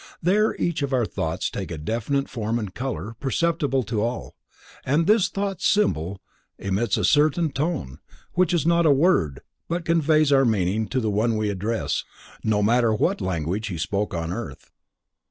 There each of our thoughts takes a definite form and color perceptible to all, and this thought symbol emits a certain tone, which is not a word, but it conveys our meaning to the one we address no matter what language he spoke on earth.